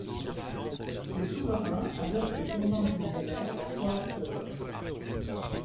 Ses souverains adoptent au tournant du millénaire la foi orthodoxe.